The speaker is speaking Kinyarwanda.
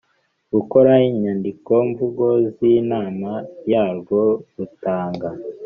gukora inyandikomvugo z inama yarwo rutanga